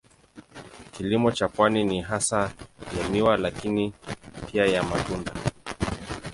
Kilimo cha pwani ni hasa ya miwa lakini pia ya matunda.